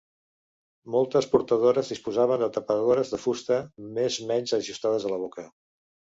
Moltes portadores disposaven de tapadores de fusta, més menys ajustades a la boca.